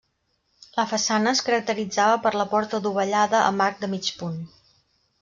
La façana es caracteritzava per la porta adovellada amb arc de mig punt.